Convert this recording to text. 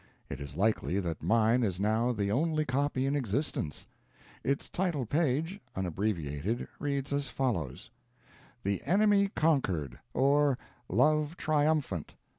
It is likely that mine is now the only copy in existence. Its title page, unabbreviated, reads as follows: "The Enemy Conquered; or, Love Triumphant.